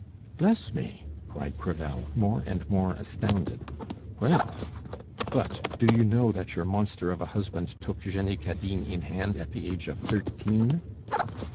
"Bless me!" cried Crevel, more and more astounded. "Well! But do you know that your monster of a husband took Jenny Cadine in hand at the age of thirteen?"